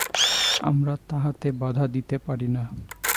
আমরা তাহাতে বাধা দিতে পারি না।